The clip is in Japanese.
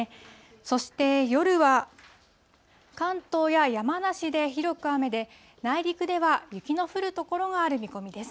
そして夜は、関東や山梨で広く雨で、内陸では雪の降る所がある見込みです。